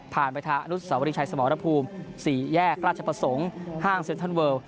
ไปทางอนุสาวรีชัยสมรภูมิ๔แยกราชประสงค์ห้างเซ็นทรัลเวิล